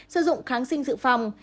sử dụng kháng sinh dự phòng